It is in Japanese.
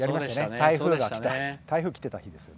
台風きてた日ですよね。